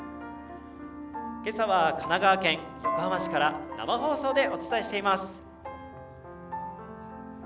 今朝は神奈川県横浜市から生放送でお伝えしています。